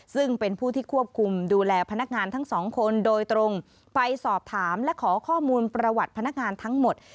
ซึ่งเป็นผู้ที่ควบคุมดูแลพนักงานทั้งสองคนโดยตรงไปสอบถามและขอข้อมูลประวัติพนักงานทั้งหมด